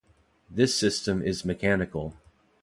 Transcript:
This system is mechanical.